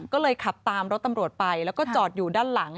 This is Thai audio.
ก็เลยขับตามรถตำรวจไปแล้วก็จอดอยู่ด้านหลัง